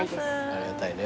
ありがたいね。